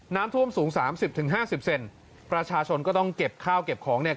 น้ำท่วมสูงสามสิบถึงห้าสิบเซนประชาชนก็ต้องเก็บข้าวเก็บของเนี่ย